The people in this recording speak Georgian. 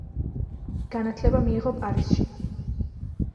განათლება მიიღო პარიზში.